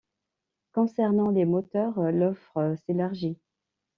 Concernant les moteurs l'offre s'élargit.